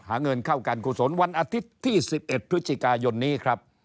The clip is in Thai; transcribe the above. เงินเข้าการกุศลวันอาทิตย์ที่๑๑พฤศจิกายนนี้ครับ